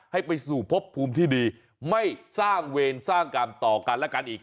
ให้ไปสู่พบภูมิที่ดีไม่สร้างเวรสร้างกรรมต่อกันและกันอีก